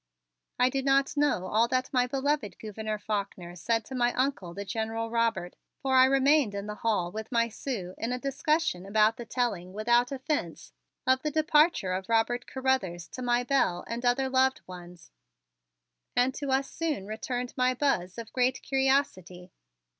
I do not know all that my beloved Gouverneur Faulkner said to my Uncle, the General Robert, for I remained in the hall with my Sue in a discussion about the telling without offense of the departure of Robert Carruthers to my Belle and other loved ones. And to us soon returned my Buzz of great curiosity.